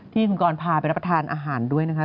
ที่คุณกรพาไปรับประทานอาหารด้วยนะคะ